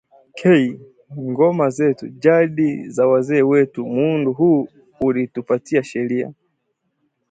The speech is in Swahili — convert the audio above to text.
K: ngoma zetu, jadi za wazee wetu Muundo huu ulitupatia sheria:-